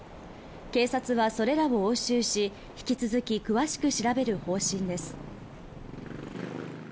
警察はそれらを押収し引き続き詳しく調べる方針です。